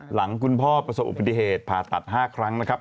หลังคุณพ่อประสบอุบัติเหตุผ่าตัด๕ครั้งนะครับ